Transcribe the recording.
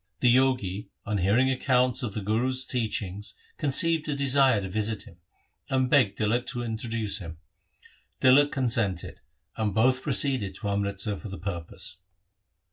The Jogi on hearing accounts of the Guru's teachings conceived a desire to visit him, and begged Tilak to introduce him. Tilak consented, and both proceeded to Amritsar for the purpose.